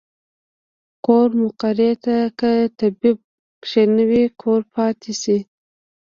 کور مقري ته کۀ طبيب کښېنوې کور پاتې شي